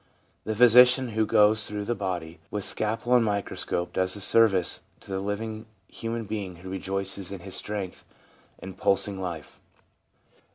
The physician who goes through the body with scalpel and microscope does a service to the living human being who rejoices in his strength and pulsing life.